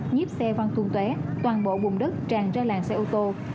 nhiếp xe văn thun tué toàn bộ bùng đất tràn ra làng xe ô tô